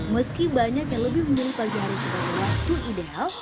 meski banyak yang lebih memilih pagi hari sebagai waktu ideal